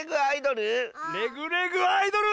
「レグ・レグ・アイドル」？